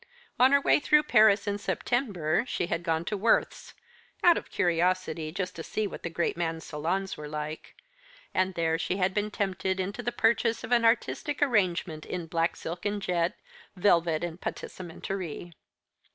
On her way through Paris, in September, she had gone to Worth's out of curiosity, just to see what the great man's salons were like and there she had been tempted into the purchase of an artistic arrangement in black silk and jet, velvet and passementerie.